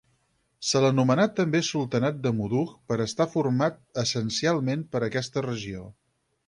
Se l'anomenà també sultanat de Mudug per estar format essencialment per aquesta regió.